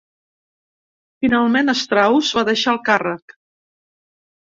Finalment Strauss va deixar el càrrec.